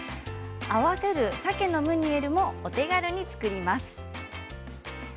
合わせる、さけのムニエルもお手軽に作ります。